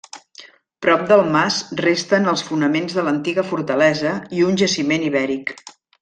Prop del mas resten els fonaments de l'antiga fortalesa i un jaciment ibèric.